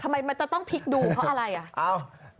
ทำไมมันจะต้องพลิกดูเพราะอะไรอ่ะ